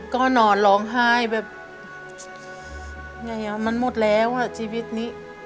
ก็นอนร้องไห้แบบมันหมดแล้วอ่ะชีวิตนี้